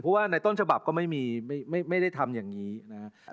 เพราะว่าในต้นฉบับก็ไม่ได้ทำอย่างนี้นะครับ